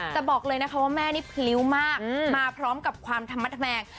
แต่บอกเลยนะคะว่าแม่นี่พลิ้วมากมาพร้อมกับความธรรมแมง